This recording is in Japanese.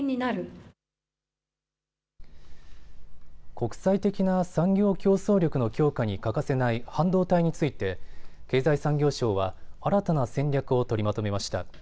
国際的な産業競争力の強化に欠かせない半導体について経済産業省は新たな戦略を取りまとめました。